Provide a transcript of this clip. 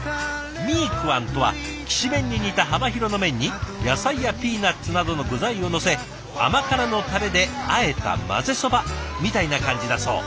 ミークアンとはきしめんに似た幅広の麺に野菜やピーナツなどの具材をのせ甘辛のタレであえたまぜそばみたいな感じだそう。